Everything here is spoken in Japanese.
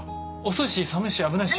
遅いし寒いし危ないし。